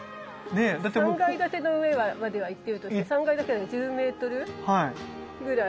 ３階建ての上まではいってるとして３階建てだから１０メートルぐらい。